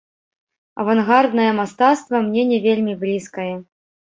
Авангарднае мастацтва мне не вельмі блізкае.